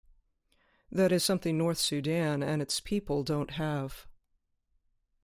That is something North Sudan and its people don't have.